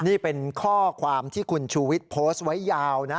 นี่เป็นข้อความที่คุณชูวิทย์โพสต์ไว้ยาวนะ